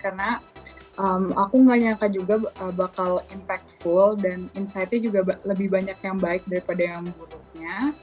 karena aku nggak nyangka juga bakal impactful dan insight nya juga lebih banyak yang baik daripada yang buruknya